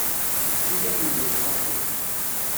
Sidi Ḥmed U Lqaḍi.